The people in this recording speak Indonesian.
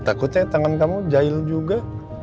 takutnya tangan kamu jahil juga